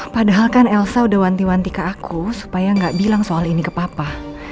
padahal elsa sudah wanti wanti ke aku supaya tidak bilang soal ini ke papa